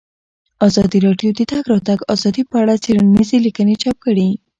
ازادي راډیو د د تګ راتګ ازادي په اړه څېړنیزې لیکنې چاپ کړي.